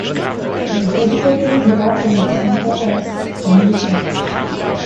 The dedicatory block in the centre has Ganesha.